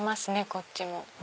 こっちも。